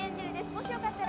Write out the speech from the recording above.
もしよかったら。